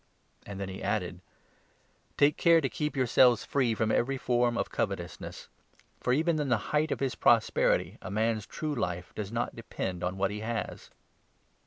" And then he added : "Take care to keep yourselves free from every form of covetousness ; for even in the height of his prosperity a man's true Life does not depend on what he has."